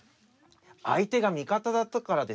相手が味方だったからですよ。